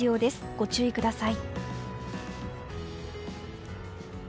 ご注意ください。